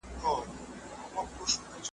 ډېر بېحده ورته ګران وو نازولی .